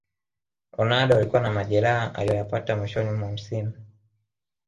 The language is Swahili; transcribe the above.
ronaldo alikuwa na majeraha aliyoyapata mwishoni mwa msimu